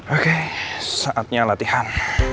oke saatnya latihan